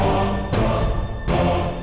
jangan agak bubuk